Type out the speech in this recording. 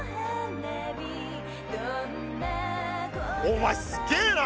お前すげえな！